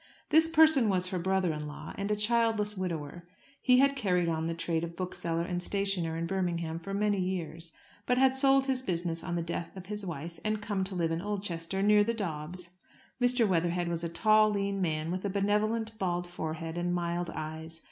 This person was her brother in law, and a childless widower. He had carried on the trade of bookseller and stationer in Birmingham for many years; but had sold his business on the death of his wife, and come to live in Oldchester, near the Dobbs's. Mr. Weatherhead was a tall, lean man, with a benevolent, bald forehead, and mild eyes.